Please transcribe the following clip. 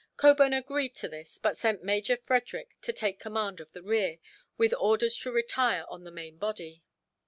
Cockburn agreed to this, but sent Major Frederick to take command of the rear, with orders to retire on the main body.